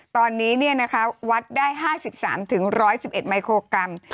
ตอนนี้นะคะวัดได้๕๓ถึง๑๑ไมโครกรัม